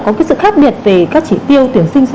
có cái sự khác biệt về các chỉ tiêu tuyển sinh